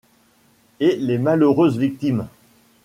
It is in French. Et les malheureuses victimes…